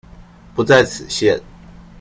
不在此限